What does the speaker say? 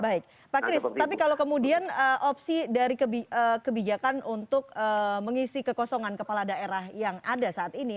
baik pak kris tapi kalau kemudian opsi dari kebijakan untuk mengisi kekosongan kepala daerah yang ada saat ini